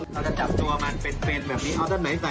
เราจะจับตัวมาเป็นเฟสแบบนี้เอาด้านไหนใส่